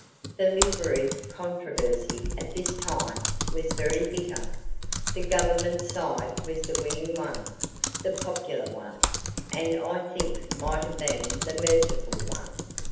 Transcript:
The literary controversy at this time was very bitter, the Government side was the winning one, the popular one, and I think might have been the merciful one.